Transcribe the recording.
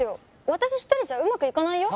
私一人じゃうまくいかないよ